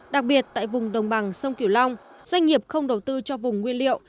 đặc biệt tại vùng đồng bằng sông kiểu long doanh nghiệp không đầu tư cho vùng nguyên liệu